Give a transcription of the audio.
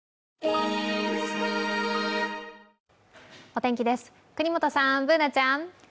お天気です、國本さん、Ｂｏｏｎａちゃん。